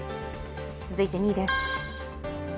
続いて２位です。